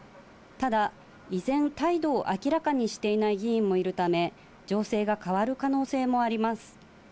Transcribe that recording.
ただ、依然、態度を明らかにしていない議員もいるため、情勢が変わる可能性もあります。